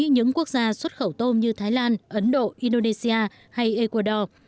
những quốc gia xuất khẩu tôm như thái lan ấn độ indonesia hay ecuador